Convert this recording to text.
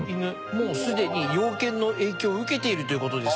もうすでに洋犬の影響を受けているという事です。